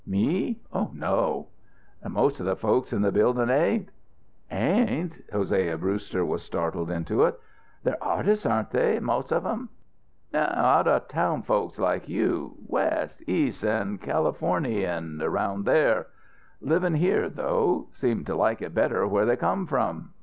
"Me? No." "Th' most of the folks in th' buildin' ain't." "Ain't!" Hosea Brewster was startled into it. "They're artists, aren't they? Most of 'em?" "No! Out of town folks, like you. West, East an' Californy, an' around there. Livin' here, though. Seem t' like it better'n where they come from.